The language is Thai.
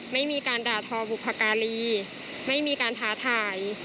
ไม่มีการด่าทอบุพการีไม่มีการท้าทาย